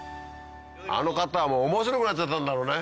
あの方はもう面白くなっちゃったんだろうね。